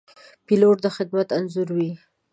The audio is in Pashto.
پیلوټ د خدمت انځور وي.